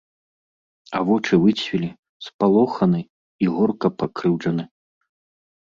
А вочы выцвілі, спалоханы і горка пакрыўджаны.